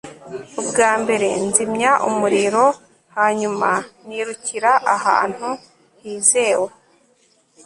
ubwa mbere, nzimya umuriro hanyuma nirukira ahantu hizewe